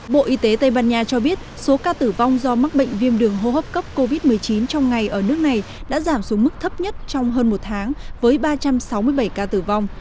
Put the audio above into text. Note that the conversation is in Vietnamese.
bộ y tế tây ban nha cho biết số ca tử vong do mắc bệnh viêm đường hô hấp cấp covid một mươi chín trong ngày ở nước này đã giảm xuống mức thấp nhất trong hơn một tháng với ba trăm sáu mươi bảy ca tử vong